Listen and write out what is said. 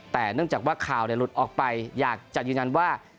แต่เนื่องจากว่าข่าวหลุดออกไปอยากจะยืนยันว่า